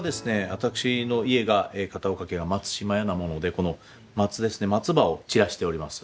私の家が片岡家が「松嶋屋」なものでこの松ですね松葉を散らしております。